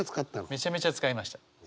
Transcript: めちゃめちゃ使いました。